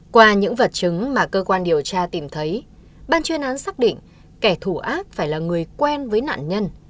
qua những vật chứng mà cơ quan điều tra tìm thấy ban chuyên án xác định kẻ thù ác phải là người quen với nạn nhân